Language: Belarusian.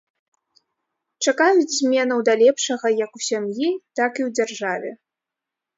Чакаюць зменаў да лепшага як у сям'і, так і ў дзяржаве.